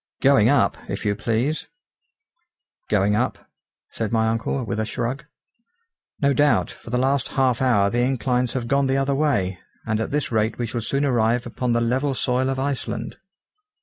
"Going up, if you please." "Going up!" said my uncle, with a shrug. "No doubt, for the last half hour the inclines have gone the other way, and at this rate we shall soon arrive upon the level soil of Iceland."